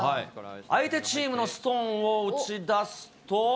相手チームのストーンを打ち出すと。